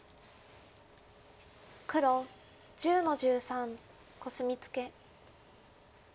黒１０の十三コスミツケ。